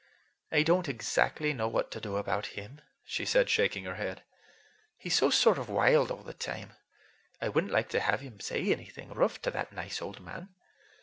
"I don't exactly know what to do about him," she said, shaking her head, "he's so sort of wild all the time. I would n't like to have him say anything rough to that nice old man.